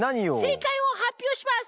正解を発表します。